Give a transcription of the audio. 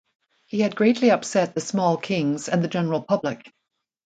He had greatly upset the small kings and the general public.